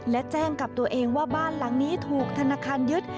และแจ้งกับตัวเองว่าบ้านหลังนี้ถูกธนาคารยึด